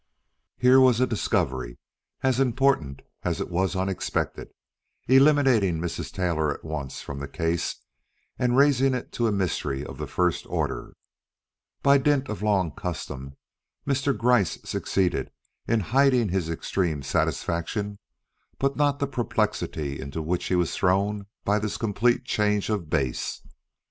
Here was a discovery as important as it was unexpected, eliminating Mrs. Taylor at once from the case and raising it into a mystery of the first order. By dint of long custom, Mr. Gryce succeeded in hiding his extreme satisfaction, but not the perplexity into which he was thrown by this complete change of base.